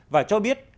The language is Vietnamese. và cho biết